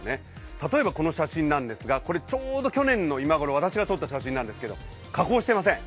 例えばこの写真なんですがこれ、ちょうど去年の今ごろ私が撮った写真なんですけど加工してません。